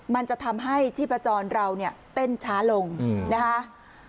มันจะทำให้ชีพจรเราเนี่ยเต้นช้าลงนะคะ